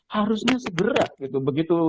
harusnya segera gitu begitu